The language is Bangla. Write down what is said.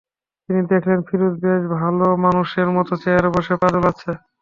তিনি দেখলেন, ফিরোজ বেশ ভালোমানুষের মতো চেয়ারে বসে পা দোলাচ্ছে।